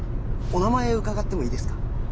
お名前伺ってもいいですか？